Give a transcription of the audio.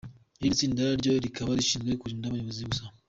Irindi tsinda ryo rikaba rishinzwe kurinda abayobozi gusa.